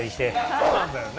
そうなんだよね